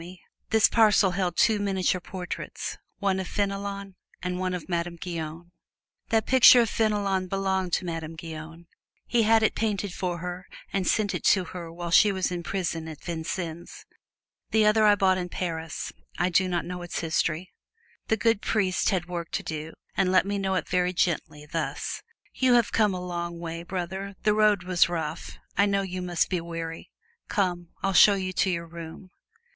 This parcel held two miniature portraits, one of Fenelon and one of Madame Guyon. "That picture of Fenelon belonged to Madame Guyon. He had it painted for her and sent it to her while she was in prison at Vincennes. The other I bought in Paris I do not know its history." The good priest had work to do, and let me know it very gently, thus: "You have come a long way, brother, the road was rough I know you must be weary. Come, I'll show you to your room."